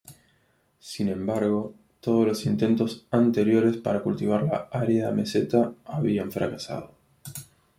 Sin embargo, todos los intentos anteriores para cultivar la árida meseta habían fracasado.